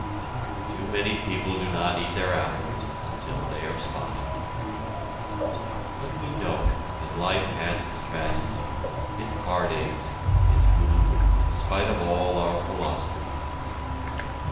Too many people do not eat their apples until they are spotted. But we know that life has its tragedies, its heartaches, its gloom, in spite of all our philosophy.